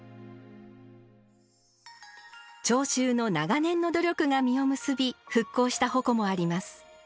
町衆の長年の努力が実を結び復興した鉾もあります。